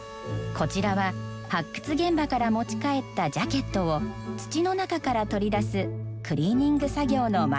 こちらは発掘現場から持ち帰ったジャケットを土の中から取り出すクリーニング作業の真っ最中です。